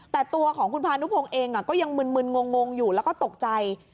แต่ตัวของคุณพานุพงศ์เองก็ยังมึนงงอยู่แล้วก็ตกใจ